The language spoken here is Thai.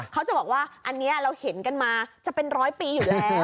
เขาจะบอกว่าอันนี้เราเห็นกันมาจะเป็นร้อยปีอยู่แล้ว